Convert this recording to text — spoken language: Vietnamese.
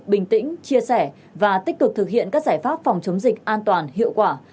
bình tĩnh chia sẻ và tích cực thực hiện các giải pháp phòng chống dịch an toàn hiệu quả